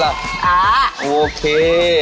อย่างนี้เลยเหรอ